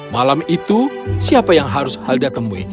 malam itu siapa yang harus halda temui